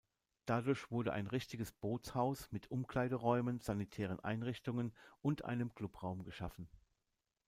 Dadurch wurde ein richtiges Bootshaus mit Umkleideräumen, sanitären Einrichtungen und einem Clubraum geschaffen.